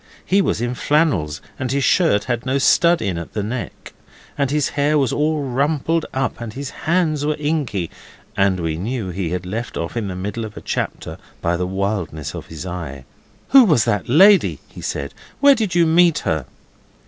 He was in flannels, and his shirt had no stud in at the neck, and his hair was all rumpled up and his hands were inky, and we knew he had left off in the middle of a chapter by the wildness of his eye. 'Who was that lady?' he said. 'Where did you meet her?